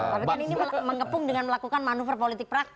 tapi kan ini mengepung dengan melakukan manuver politik praktik